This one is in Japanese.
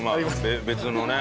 別のね。